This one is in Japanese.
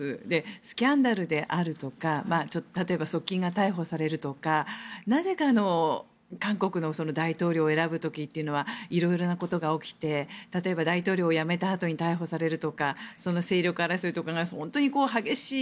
スキャンダルであるとか例えば側近が逮捕されるとかなぜか韓国の大統領を選ぶ時はいろいろなことが起きて例えば大統領を辞めたあとに逮捕されるとかその勢力争いとかが本当に激しい。